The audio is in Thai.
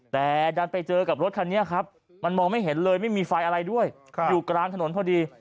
แต่ดันไปเจอกับรถคันนี้ครับมันมองไม่เห็นเลยไม่มีไฟอะไรด้วยอยู่กลางถนนพอดี